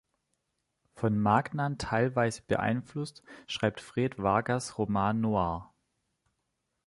Von Magnan teilweise beeinflusst schreibt Fred Vargas Roman noirs.